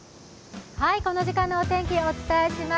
この時間のお天気、お伝えします